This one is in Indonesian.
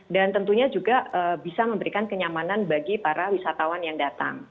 tentunya juga bisa memberikan kenyamanan bagi para wisatawan yang datang